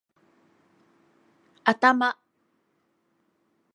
頭